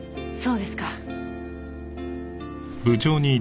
そうですか。